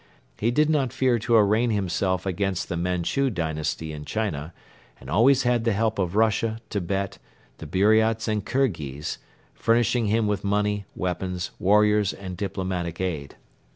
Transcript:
He did not fear to arraign himself against the Manchu dynasty in China and always had the help of Russia, Tibet, the Buriats and Kirghiz, furnishing him with money, weapons, warriors and diplomatic aid.